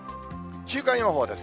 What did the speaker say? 週間予報です。